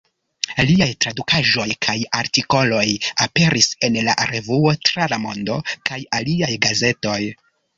Liaj tradukaĵoj kaj artikoloj aperis en "La Revuo, Tra la Mondo" kaj aliaj gazetoj.